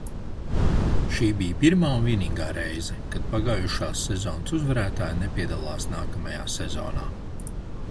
Šī bija pirmā un vienīgā reize, kad pagājušās sezonas uzvarētāja nepiedalās nākamajā sezonā.